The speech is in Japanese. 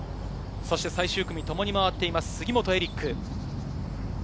最終組、ともに回っています、杉本エリック。